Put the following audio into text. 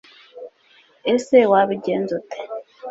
ese wabigenze ute